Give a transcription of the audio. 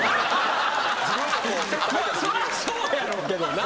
そりゃそうやろうけどな。